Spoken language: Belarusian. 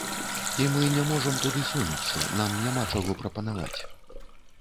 І мы не можам туды сунуцца, нам няма чаго прапанаваць.